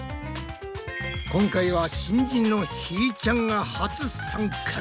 今回は新人のひーちゃんが初参加だ。